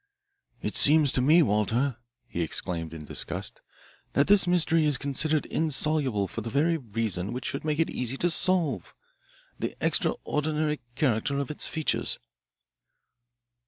"It seems to me, Walter," he exclaimed in disgust, "that this mystery is considered insoluble for the very reason which should make it easy to solve the extraordinary character of its features."